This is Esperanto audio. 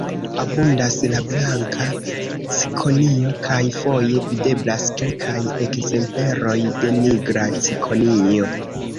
Abundas la blanka cikonio kaj foje videblas kelkaj ekzempleroj de nigra cikonio.